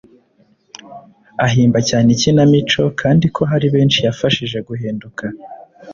ahimba cyane ikinamico kandi ko hari benshi yafashije guhinduka